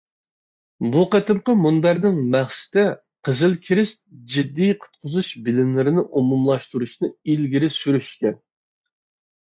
بۇ قېتىمقى مۇنبەرنىڭ مەقسىتى قىزىل كىرېست جىددىي قۇتقۇزۇش بىلىملىرىنى ئومۇملاشتۇرۇشنى ئىلگىرى سۈرۈش ئىكەن.